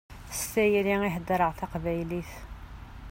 S tayri i heddṛeɣ taqbaylit.